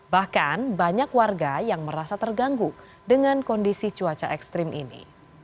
bahkan banyak warga yang merasa terganggu dengan kondisi cuaca ekstrim ini